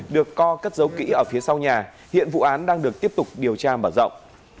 được co cất giấu kỹ ở phía sau nhà hiện vụ án đang được tiếp tục điều tra mở rộng